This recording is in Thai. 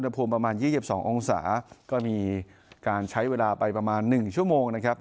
ภูมิประมาณ๒๒องศาก็มีการใช้เวลาไปประมาณ๑ชั่วโมงนะครับ